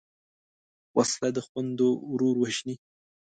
وسله د خویندو ورور وژني